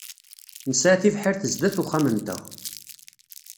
Nesɛa tibḥirt sdat uxxam-nteɣ.